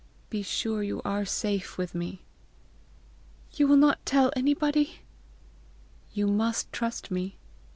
Be sure you are safe with me." "You will not tell anybody?" "You must trust me."